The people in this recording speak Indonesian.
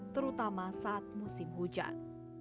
terutama saat musim hujan